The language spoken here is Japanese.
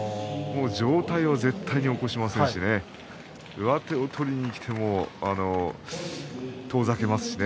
上体は絶対、起こしませんし上手を取りにきても遠ざけますしね。